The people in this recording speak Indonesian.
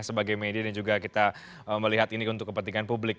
sebagai media dan juga kita melihat ini untuk kepentingan publik